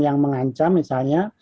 yang mengancam misalnya